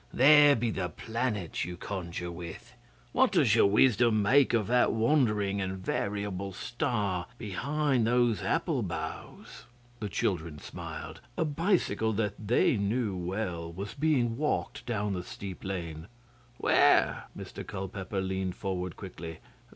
'There be the planets you conjure with! What does your wisdom make of that wandering and variable star behind those apple boughs?' The children smiled. A bicycle that they knew well was being walked down the steep lane. 'Where?' Mr Culpeper leaned forward quickly.